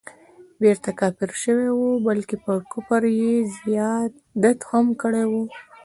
بیرته کافر سوی وو بلکه پر کفر یې زیادت هم کړی وو.